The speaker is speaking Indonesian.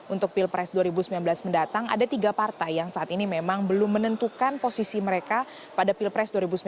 untuk pilpres dua ribu sembilan belas mendatang ada tiga partai yang saat ini memang belum menentukan posisi mereka pada pilpres dua ribu sembilan belas